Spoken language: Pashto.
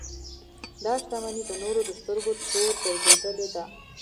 دا شتمنۍ د نورو د سترګو تور ګرځېدلې ده.